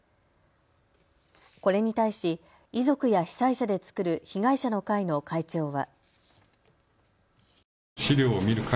これに対し、遺族や被災者で作る被害者の会の会長は。